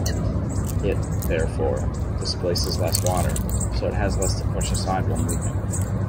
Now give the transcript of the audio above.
It, therefore, displaces less water, so it has less to push aside while moving.